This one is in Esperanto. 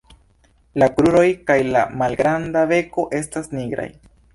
La kruroj kaj la malgranda beko estas nigraj.